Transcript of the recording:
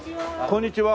こんにちは。